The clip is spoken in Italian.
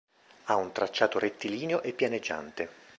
Ha un tracciato rettilineo e pianeggiante.